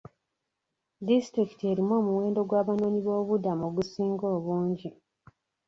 Disitulikiti erimu omuwendo gw'abanoonyiboobubudamu ogusinga obungi.